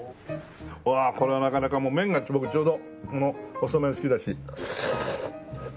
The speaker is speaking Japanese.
うわあこれはなかなかもう麺が僕ちょうど細麺好きだし。